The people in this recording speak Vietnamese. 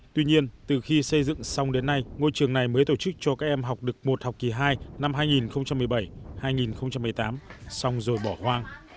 tuy nhiên từ khi xây dựng xong đến nay ngôi trường này mới tổ chức cho các em học được một học kỳ hai năm hai nghìn một mươi bảy hai nghìn một mươi tám xong rồi bỏ hoang